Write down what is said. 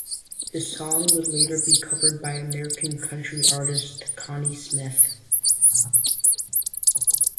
The song would later be covered by American country artist Connie Smith.